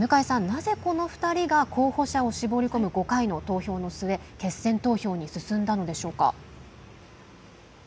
なぜ、この２人が候補者を絞り込む５回の投票の末決選投票に進んだのでしょうか。